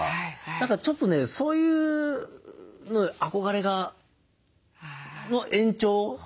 何かちょっとねそういう憧れがの延長大人版がそれ